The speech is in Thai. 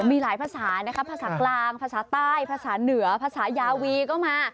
มีหลายภาษานะคะภาษากลางภาษาใต้ภาษาเหนือภาษายาวีก็มา